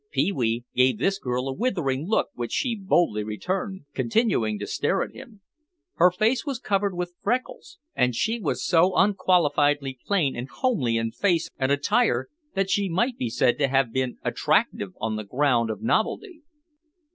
Pee wee gave this girl a withering look which she boldly returned, continuing to stare at him. Her face was covered with freckles and she was so unqualifiedly plain and homely in face and attire that she might be said to have been attractive on the ground of novelty.